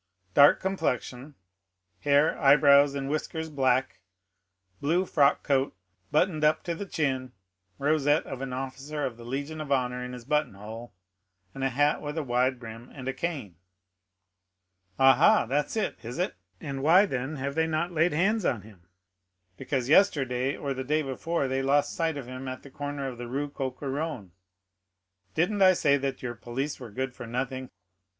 "Dark complexion; hair, eyebrows, and whiskers black; blue frock coat, buttoned up to the chin; rosette of an officer of the Legion of Honor in his button hole; a hat with wide brim, and a cane." "Ah, ha, that's it, is it?" said Noirtier; "and why, then, have they not laid hands on him?" "Because yesterday, or the day before, they lost sight of him at the corner of the Rue Coq Héron." "Didn't I say that your police were good for nothing?"